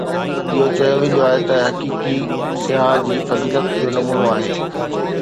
اهو چيو ويندو آهي ته هڪ حقيقي سياح جي فضيلت جو نمونو آهي